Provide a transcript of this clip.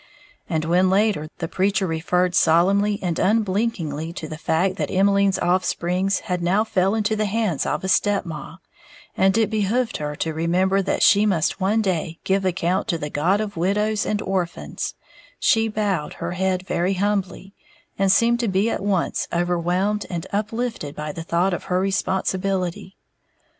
And when, later, the preacher referred solemnly and unblinkingly to the fact that Emmeline's offsprings had now fell into the hands of a step maw, and it behooved her to remember that she must one day give account to the God of widows and orphans, she bowed her head very humbly, and seemed to be at once overwhelmed and uplifted by the thought of her responsibility.